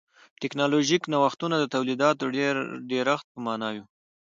ټکنالوژیکي نوښتونه د تولیداتو د ډېرښت په معنا نه و.